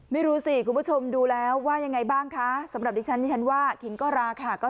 ไม่รู้สิคุณผู้ชมดูแล้วว่ายังไงบ้างคะสำหรับดิฉันดิฉันว่าคิงก็ราคา